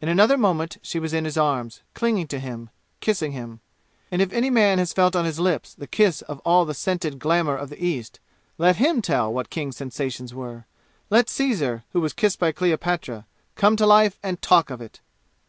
In another moment she was in his arms, clinging to him, kissing him. And if any man has felt on his lips the kiss of all the scented glamour of the East, let him tell what King's sensations were. Let Ceasar, who was kissed by Cleopatra, come to life and talk of it!